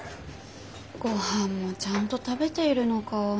ごはんもちゃんと食べているのか。